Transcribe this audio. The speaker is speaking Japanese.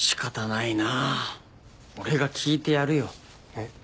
えっ？